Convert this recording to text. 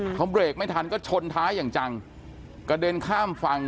เขาเบรกไม่ทันก็ชนท้ายอย่างจังกระเด็นข้ามฝั่ง